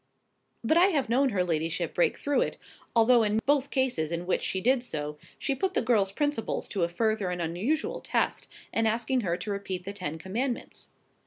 But I have known her ladyship break through it, although in both cases in which she did so she put the girl's principles to a further and unusual test in asking her to repeat the Ten Commandments.